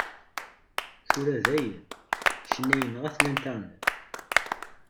Tura dayen, ccna yenɣa-t Internet.